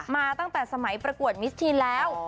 มาตั้งแต่สมัยประกวดมิสทีนแล้ว